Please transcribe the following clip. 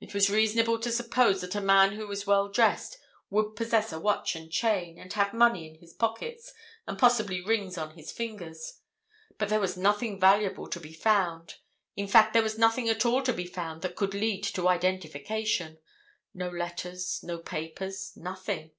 It was reasonable to suppose that a man who is well dressed would possess a watch and chain, and have money in his pockets, and possibly rings on his fingers. But there was nothing valuable to be found; in fact there was nothing at all to be found that could lead to identification—no letters, no papers, nothing.